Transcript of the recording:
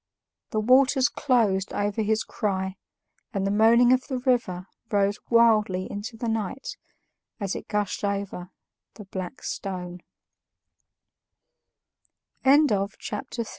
The waters closed over his cry, and the moaning of the river rose wildly into the night as it gushed over THE BLACK STONE CHAPTER IV HOW MR.